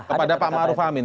kepada pak ma'ruf amin